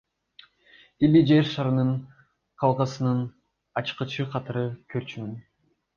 Тилди Жер шарынын каалгасынын ачкычы катары көрчүмүн.